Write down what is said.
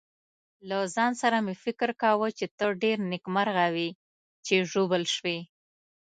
له ځان سره مې فکر کاوه چې ته ډېر نېکمرغه وې چې ژوبل شوې.